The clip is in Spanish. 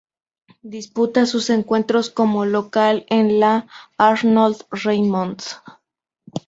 Disputa sus encuentros como local en la "Arnold-Reymond".